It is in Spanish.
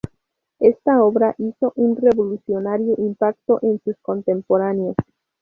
Esta obra hizo un revolucionario impacto en sus contemporáneos.